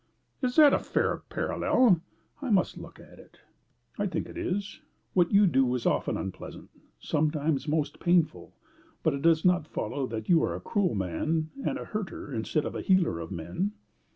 "Is that a fair parallel? I must look at it." "I think it is. What you do is often unpleasant, sometimes most painful, but it does not follow that you are a cruel man, and a hurter instead of a healer of men."